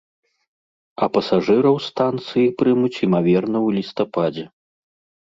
А пасажыраў станцыі прымуць, імаверна, у лістападзе.